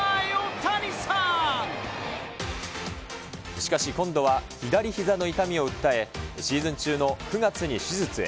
しかし今度は左ひざの痛みを訴え、シーズン中の９月に手術へ。